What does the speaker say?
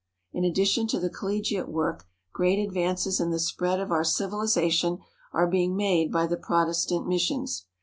In addition to the collegiate work great advances in the spread of our civilization are being made by the Protestant missions.